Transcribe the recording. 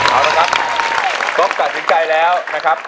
เอาละครับก็ตัดสินใจแล้วนะครับ